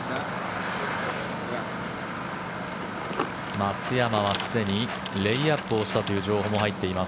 松山はすでにレイアップをしたという情報も入っています。